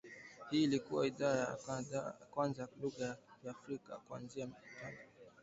Hii ilikua idhaa ya kwanza ya lugha ya Kiafrika kuanzisha matangazo kupitia mitambo ya Sauti ya Amerika mjini.